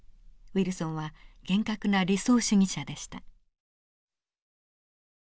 ウィルソンは厳格な理想主義者でした。